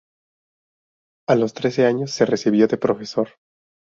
A los trece años se recibió de profesor.